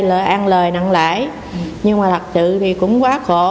là ăn lời nặng lãi nhưng mà thật sự thì cũng quá khổ